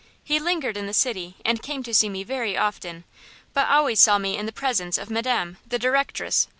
He lingered in the city and came to see me very often; but always saw me in the presence of Madame, the directress.